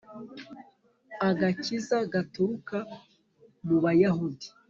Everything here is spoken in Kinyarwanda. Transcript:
Agakiza gaturuka mu bayahudi